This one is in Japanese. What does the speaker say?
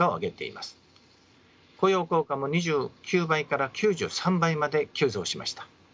雇用効果も２９倍から９３倍まで急増しました。